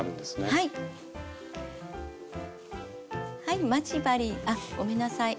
はい。